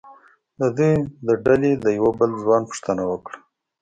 د دوی د ډلې د یوه بل ځوان پوښتنه وکړه.